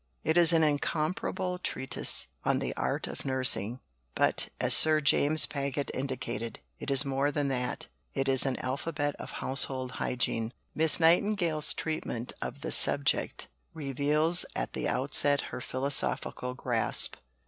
It is an incomparable treatise on the art of nursing; but, as Sir James Paget indicated, it is more than that: it is an alphabet of Household Hygiene. Miss Nightingale's treatment of the subject reveals at the outset her philosophical grasp.